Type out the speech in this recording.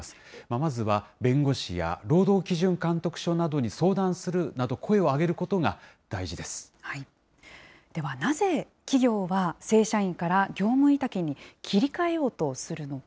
まずは、弁護士や労働基準監督署などに相談するなど、声を上げるでは、なぜ企業は正社員から業務委託に切り替えようとするのか。